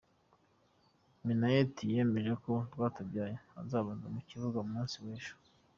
Minnaert yemeje ko Rwatubyaye azabanza mu kibuga ku munsi w’ejo.